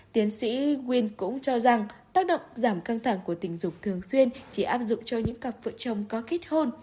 tiến sĩ win cũng cho rằng tác động giảm căng thẳng của tình dục thường xuyên chỉ áp dụng cho những cặp vợ chồng có kết hôn